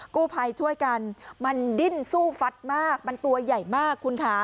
กู้ภัยช่วยกันมันดิ้นสู้ฟัดมากมันตัวใหญ่มากคุณค่ะ